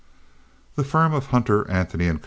The firm of Hunter, Anthony & Co.